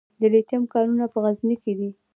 د لیتیم کانونه په غزني کې دي